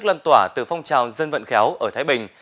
lan tỏa từ phong trào dân vận khéo ở thái bình